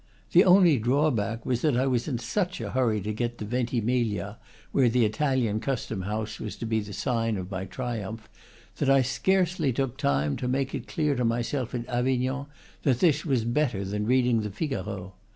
The only drawback was that I was in such a hurry to get to Ventimiglia (where the Italian custom house was to be the sign of my triumph), that I scarcely took time to make it clear to myself at Avignon that this was better than reading the "Figaro."